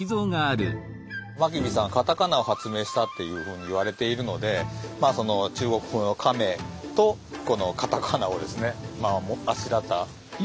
真備さんはカタカナを発明したっていうふうにいわれているのでその中国風の亀とこのカタカナをあしらった。